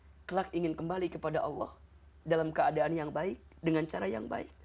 ikhlak ingin kembali kepada allah dalam keadaan yang baik dengan cara yang baik